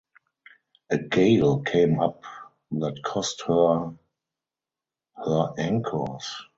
A gale came up that cost her her anchors.